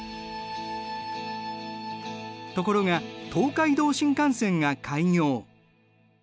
ところが東海道新幹線が開業。